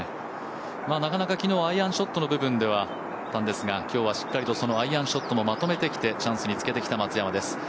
なかなかきのう、アイアンショットの部分ではあったんですが、きょうはそのアイアンショットもまとめてきて、チャンスにつけてきた松山です。